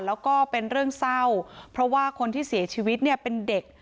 แล้วก็เป็นเรื่องเศร้าเพราะว่าคนที่เสียชีวิตเนี่ยเป็นเด็ก